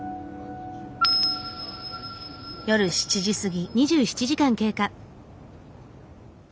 夜７時過ぎ。